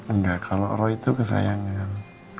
enggak kalau roh itu kesayangan